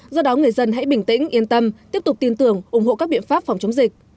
do đó người dân hãy bình tĩnh yên tâm tiếp tục tin tưởng ủng hộ các biện pháp phòng chống dịch